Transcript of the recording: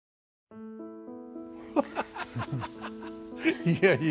ハハハハハいやいや。